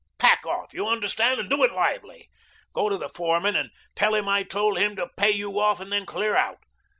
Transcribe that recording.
Pack off, you understand and do it lively. Go to the foreman and tell him I told him to pay you off and then clear out.